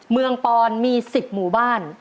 ปอนมี๑๐หมู่บ้าน